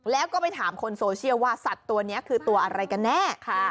แล้วก็ไปถามคนโซเชียลว่าสัตว์ตัวนี้คือตัวอะไรกันแน่